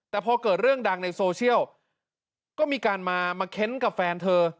แต่พอเกิดเรื่องดังในโซเชียลก็มีการมาเค้นกับแฟนเธอ